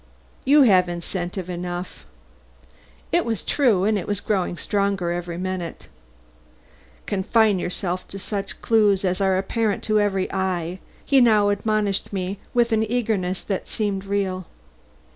You have incentive enough." It was true and it was growing stronger every minute. "Confine yourself to such clues as are apparent to every eye," he now admonished me with an eagerness that seemed real.